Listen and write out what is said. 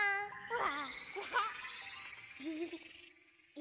「わ！」